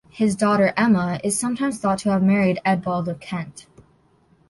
His daughter Emma is sometimes thought to have married Eadbald of Kent.